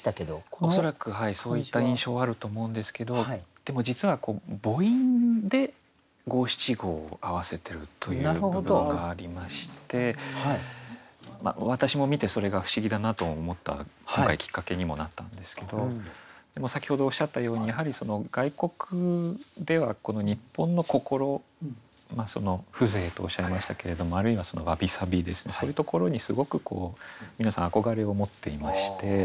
恐らくそういった印象あると思うんですけどでも実は母音で五七五を合わせてるという部分がありまして私も見てそれが不思議だなと思った今回きっかけにもなったんですけど先ほどおっしゃったようにやはり外国ではこの日本の心風情とおっしゃいましたけれどもあるいはそのわびさびですねそういうところにすごく皆さん憧れを持っていまして。